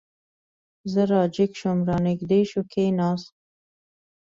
زه را جګ شوم، را نږدې شو، کېناست.